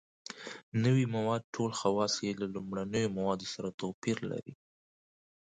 نوي مواد ټول خواص یې له لومړنیو موادو سره توپیر لري.